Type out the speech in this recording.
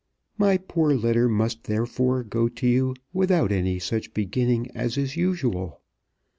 My poor letter must therefore go to you without any such beginning as is usual.